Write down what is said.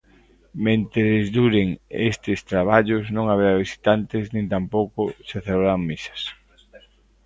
Mentres duren estes traballos non haberá visitantes nin tampouco se celebrarán misas.